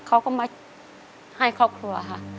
เขาก็มาให้ครอบครัวค่ะ